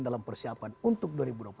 dalam persiapan untuk dua ribu dua puluh empat